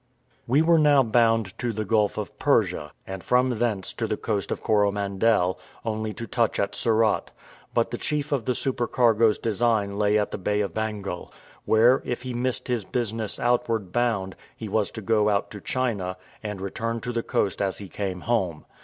We were now bound to the Gulf of Persia, and from thence to the coast of Coromandel, only to touch at Surat; but the chief of the supercargo's design lay at the Bay of Bengal, where, if he missed his business outward bound, he was to go out to China, and return to the coast as he came home.